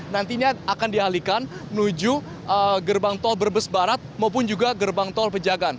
nantinya akan dialihkan menuju gerbang tol brebes barat maupun juga gerbang tol pejagan